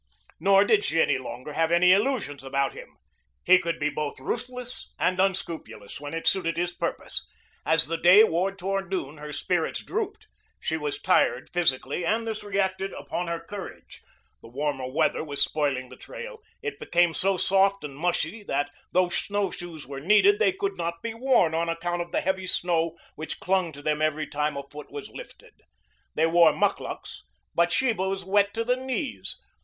Nor did she any longer have any illusions about him. He could be both ruthless and unscrupulous when it suited his purpose. As the day wore toward noon, her spirits drooped. She was tired physically, and this reacted upon her courage. The warmer weather was spoiling the trail. It became so soft and mushy that though snowshoes were needed, they could not be worn on account of the heavy snow which clung to them every time a foot was lifted. They wore mukluks, but Sheba was wet to the knees.